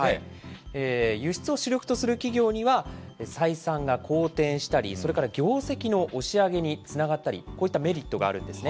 輸出を主力とする企業には、採算が好転したり、それから業績の押し上げにつながったり、こういったメリットがあるんですね。